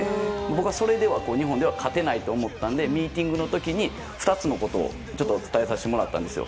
僕はそれでは日本は勝てないと思ったのでミーティングの時に２つのことを伝えさせてもらったんですよ。